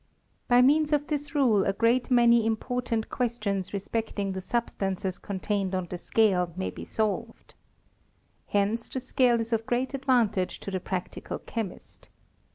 By means of this rule a great many important questions respecting the substances con tained on the scale may be soWed. Hence the scale is of great advantage to the practical chemist.